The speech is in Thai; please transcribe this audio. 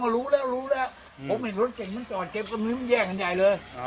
รู้แล้วรู้แล้วผมเห็นรถเก่งมันจอดเก็บตรงนี้มันแยกกันใหญ่เลย